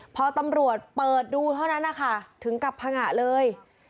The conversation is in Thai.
พอตำรวจเปิดดูเท่านั้นนะคะถึงกับพังงะเลย